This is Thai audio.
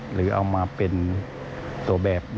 หรือเอามาเป็นตัวแบบนำร่อง